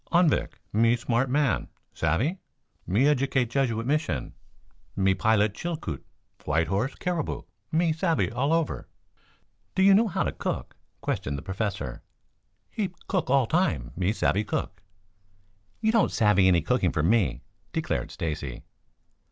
"Anvik. Me smart man, savvy? Me educate Jesuit Mission. Me pilot Chilkoot, White Horse, Caribou; me savvy all over." "Do you know how to cook?" questioned the Professor. "Heap cook all time. Me savvy cook." "You don't savvy any cooking for me," declared Stacy.